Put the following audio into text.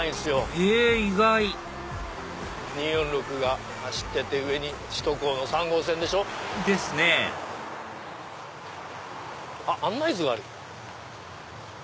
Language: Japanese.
へぇ意外２４６が走ってて上に首都高の３号線でしょ。ですねあっ案内図があるよ。